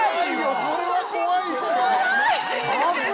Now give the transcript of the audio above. ・それは怖いっすわ・怖い！